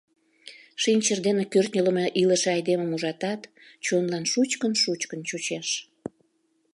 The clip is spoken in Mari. — Шинчыр дене кӱртньылымӧ илыше айдемым ужатат, чонлан шучкын-шучкын чучеш.